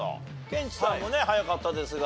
ケンチさんもね早かったですが。